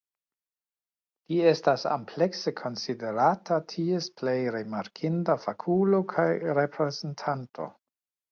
Li estas amplekse konsiderata ties plej rimarkinda fakulo kaj reprezentanto.